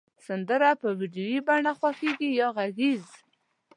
سندری د په ویډیو بڼه خوښیږی یا غږیز